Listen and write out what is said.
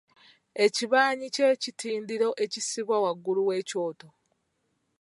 Ekibanyi kye kitindiro ekisibwa waggulu w’ekyoto.